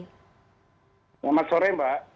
selamat sore mbak